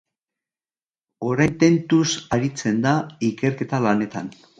Orain tentuz aritzen da ikerketa lanetan.